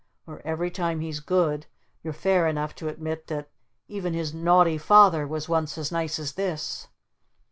Or every time he's good you're fair enough to admit that 'Even his naughty Father was once as nice as this!'"